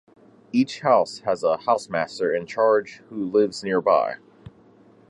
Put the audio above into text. Each house has a housemaster in charge who lives nearby.